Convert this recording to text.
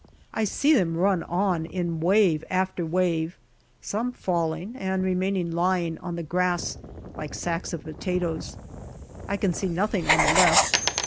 I see them run on in wave after wave, some falling, and remaining lying on the grass like sacks of potatoes. I can see nothing on the left.